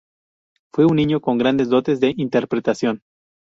Fue un niño con grandes dotes de interpretación.